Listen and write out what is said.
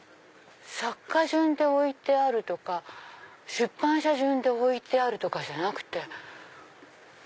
作家順で置いてあるとか出版社順で置いてあるとかじゃなくて。